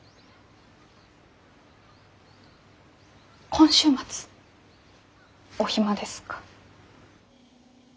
今週末お暇ですか？